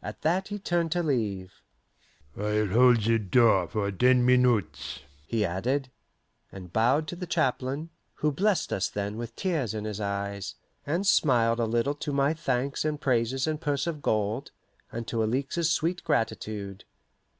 At that he turned to leave. "I'll hold the door for ten minutes," he added; and bowed to the chaplain, who blessed us then with tears in his eyes, and smiled a little to my thanks and praises and purse of gold, and to Alixe's sweet gratitude.